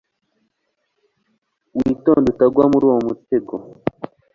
witonde utagwa muruwo mutego